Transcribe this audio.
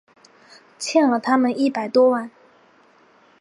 欠了他们一百多万